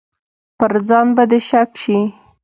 پر ځان به دې شک شي.